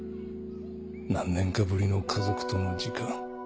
何年かぶりの家族との時間。